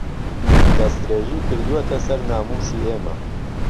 دەستدرێژی کردووەتە سەر ناموسی ئێمە